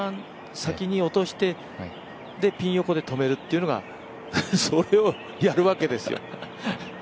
手前の一番先に落として、ピン横で止めるというのがそれをやるわけですよ。